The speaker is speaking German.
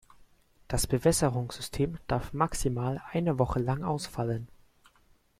Das Bewässerungssystem darf maximal eine Woche lang ausfallen.